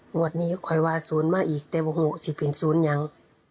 หัวนี้คอยวาศูนย์มาอีกเต็ม๖สิบอินศูนย์ยัง